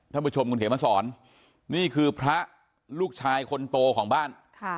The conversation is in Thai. ท่านผู้ชมคุณเขียนมาสอนนี่คือพระลูกชายคนโตของบ้าน